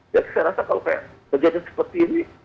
ya saya rasa kalau kayak kegiatan seperti ini